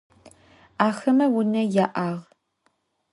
Axeme vune ya'ağ.